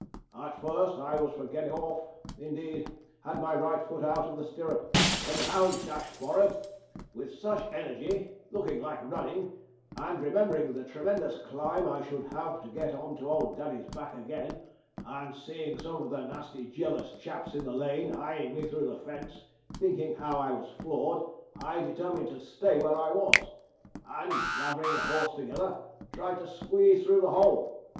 At first I was for getting off; indeed, had my right foot out of the stirrup, when the hounds dashed forrard with such energy looking like running and remembering the tremendous climb I should have to get on to old Daddy's back again, and seeing some of the nasty jealous chaps in the lane eyeing me through the fence, thinking how I was floored, I determined to stay where I was; and gathering the horse together, tried to squeeze through the hole.